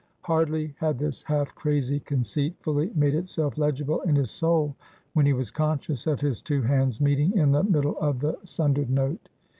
Hardly had this half crazy conceit fully made itself legible in his soul, when he was conscious of his two hands meeting in the middle of the sundered note!